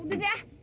udah deh ah